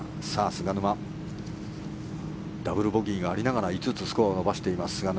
菅沼、ダブルボギーがありながら５スコアを伸ばしています。